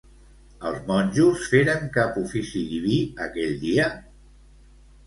Els monjos feren cap ofici diví aquell dia?